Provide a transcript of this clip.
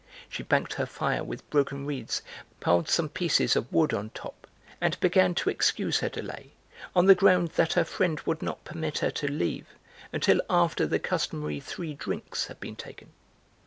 She banked her fire with broken reeds, piled some pieces of wood on top, and began to excuse her delay on the ground that her friend would not permit her to leave until after the customary three drinks had been taken.